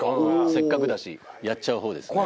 せっかくだしやっちゃう方ですね